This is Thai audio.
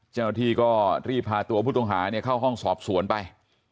เจ้าหน้าที่ก็รีบพาตัวผู้ต้องหาเข้าห้องสอบสวนไป